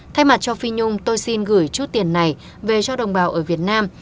thay mặt cho phi nhung tôi xin gửi chút tiền này về cho đồng bào ở việt nam